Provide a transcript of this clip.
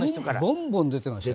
ボンボン出てましたよ。